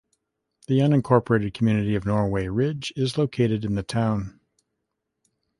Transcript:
The unincorporated community of Norway Ridge is located in the town.